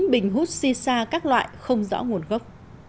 bình hút si sa các loại không rõ nguồn gốc